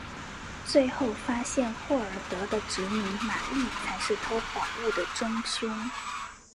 最后发现霍尔德的侄女玛丽才是偷宝物的真凶。